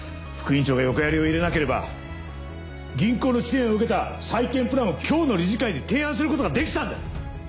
副院長が横やりを入れなければ銀行の支援を受けた再建プランを今日の理事会で提案することができたんだ！